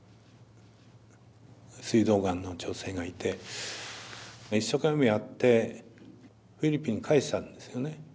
すい臓がんの女性がいて一生懸命やってフィリピン帰したんですよね。